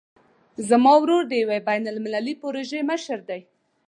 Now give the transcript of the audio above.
زما ورور د یوې بین المللي پروژې مشر ده